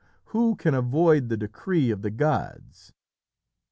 Who can avoid the decree of the gods?"